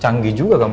canggih juga kamu